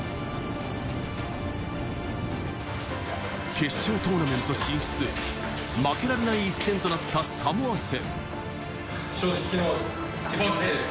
決勝トーナメント進出へ、負けられない一戦となったサモア戦。